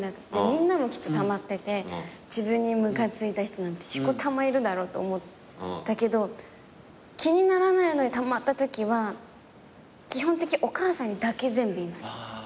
みんなもきっとたまってて自分にムカついた人なんてしこたまいるだろうと思ったけど気にならないのにたまったときは基本的にお母さんにだけ全部言います。